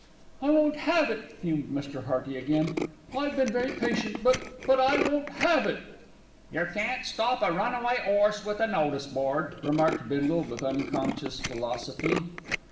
"I won't have it," fumed Mr. Hearty again. "I've been very patient, but but I won't have it." "Yer can't stop a runaway 'orse with a notice board," remarked Bindle with unconscious philosophy.